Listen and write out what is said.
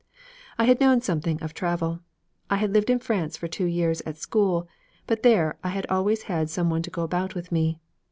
I had known something of travel. I had lived in France for two years, at school; but there I had always had some one to go about with me.